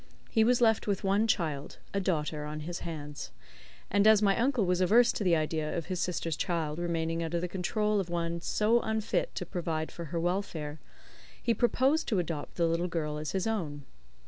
He was left with one child a daughter on his hands; and as my uncle was averse to the idea of his sister's child remaining under the control of one so unfit to provide for her welfare, he proposed to adopt the little girl as his own.